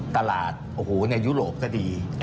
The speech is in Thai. ตลาดโอ้โหในยุโรปก็ดี